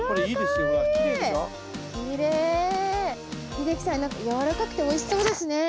秀樹さん軟らかくておいしそうですね。